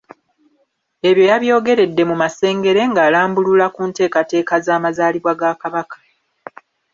Ebyo yabyogeredde mu Masengere ng'alambulula ku nteekateeka z’amazaalibwa ga Kabaka.